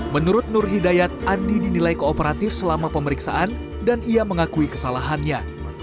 menurut nur hidayat andi dinilai kooperatif selama pemeriksaan dan ia mengakui kesalahannya